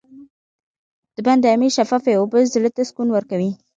د بند امیر شفافې اوبه زړه ته سکون ورکوي.